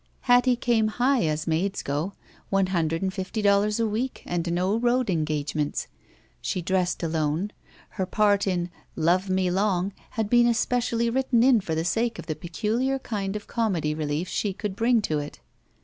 Hattie came high, as maids go. One hundred and fifty dollars a week and no road engagements. She dressed alone. Her part in "Love Me Long'* had been especially written in for the sake of the peculiar kind of comedy relief she could bring to it.